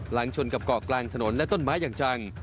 ชนกับเกาะกลางถนนและต้นไม้อย่างจัง